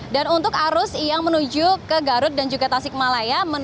dan untuk arus yang menuju ke garut dan juga tasikmalaya